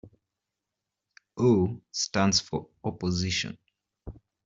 "O" stands for opposition.